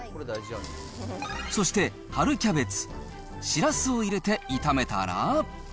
そして、春キャベツ、しらすを入れて炒めたら。